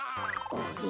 あれ？